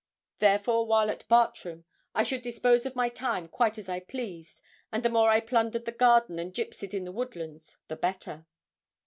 Therefore, while at Bartram, I should dispose of my time quite as I pleased, and the more I plundered the garden and gipsied in the woodlands, the better.